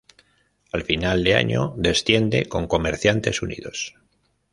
A final de año desciende con Comerciantes Unidos.